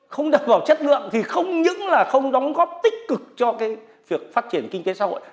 không đảm bảo chất lượng thì không những là không đóng góp tích cực cho việc phát triển kinh tế xã hội